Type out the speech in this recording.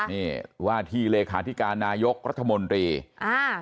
นี่ว่าที่เลขาธิการนายกรัฐมนตรีอ่า